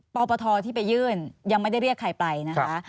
ปปทที่ไปยื่นยังไม่ได้เรียกใครไปนะคะ